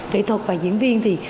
kỹ thuật và diễn viên thì